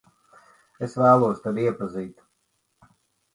Es vēlos tevi iepazīt.